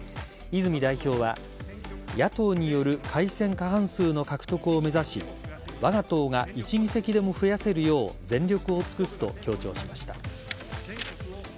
泉代表は野党による改選過半数の獲得を目指しわが党が一議席でも増やせるよう全力を尽くすと強調しました。